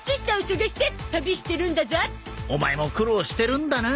オマエも苦労してるんだな